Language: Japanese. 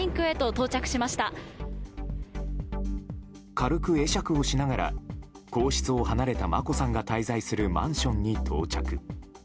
軽く会釈をしながら皇室を離れた眞子さんが滞在するマンションに到着。